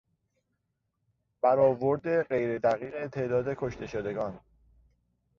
برآورد غیر دقیق تعداد کشته شدگان